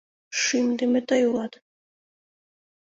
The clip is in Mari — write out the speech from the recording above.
— Шӱмдымӧ тый улат!